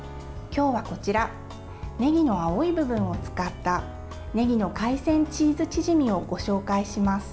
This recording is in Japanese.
今日は、こちらねぎの青い部分を使ったねぎの海鮮チーズチヂミをご紹介します。